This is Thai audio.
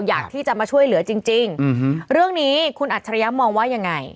อยากที่จะมาช่วยเหลือจริงจริงเรื่องนี้คุณอัจฉริยะมองว่ายังไง